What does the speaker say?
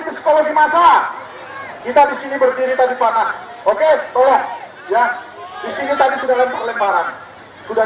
psikologi masa kita disini berdiri tadi panas oke tolong ya di sini tadi sudah lempar lemparan sudah